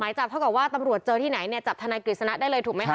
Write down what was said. หมายจับเท่ากับว่าตำรวจเจอที่ไหนเนี่ยจับธนากิจชนะได้เลยถูกมั้ยคะ